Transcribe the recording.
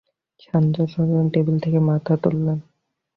Sajjad Hossain table থেকে মাথা তুললেন।